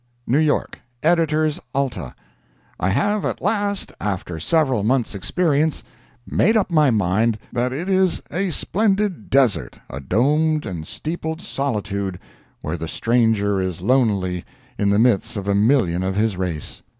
NEW YORK EDITORS ALTA: I have at last, after several months' experience, made up my mind that it is a splendid desert—a domed and steepled solitude, where the stranger is lonely in the midst of a million of his race.